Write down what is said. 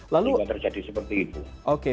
sehingga terjadi seperti itu